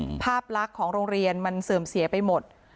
ภาพลักษณ์ของโรงเรียนมันเสื่อมเสียไปหมด